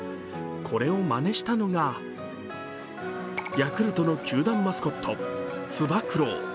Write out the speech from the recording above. これをまねしたのがヤクルトの球団マスコット、つば九郎。